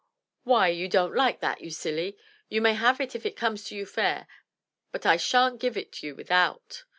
"Why, you don't like that, you silly. You may have it if it comes to you fair, but I shan't give it you without.